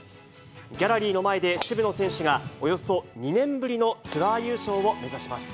ギャラリーの前で渋野選手が、およそ２年ぶりのツアー優勝を目指します。